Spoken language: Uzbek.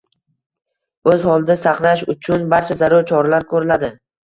O‘z holida saqlash uchun barcha zarur choralar ko‘riladi.